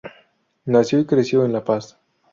Nació y creció en La Paz.